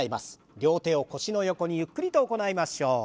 両手を腰の横にゆっくりと行いましょう。